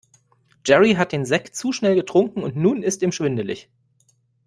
Jerry hat den Sekt zu schnell getrunken und nun ist ihm schwindelig.